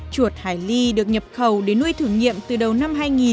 chuột hải ly được nhập khẩu để nuôi thử nghiệm từ đầu năm hai nghìn